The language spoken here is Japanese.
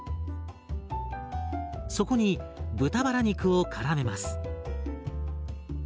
そこに豚バラ肉をからめます。